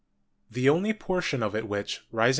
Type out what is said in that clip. The only portion of it which, rising?